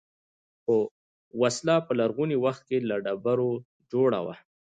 وسله په لرغوني وخت کې له ډبرو جوړه وه